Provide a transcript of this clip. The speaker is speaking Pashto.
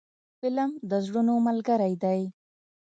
فلم د زړونو ملګری دی